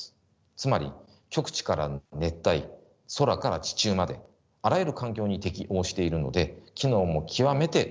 つまり極地から熱帯空から地中まであらゆる環境に適応しているので機能も極めて多様です。